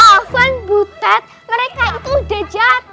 afwan buta mereka itu udah jatuh